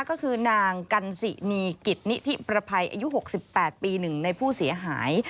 ก็คือนางกันสินีกิจนิธิประภัยอายุ๖๘ปี๑ในผู้เสียหาย